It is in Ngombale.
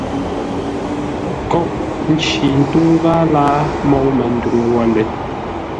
Kôʼ nci ńtə́u ghâa láa môu Manduŋ wə̂ lə́!